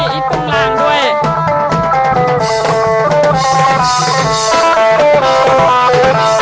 มีคุณรักเว้ย